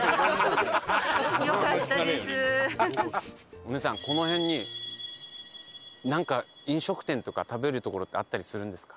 お姉さんこの辺になんか飲食店とか食べる所ってあったりするんですか？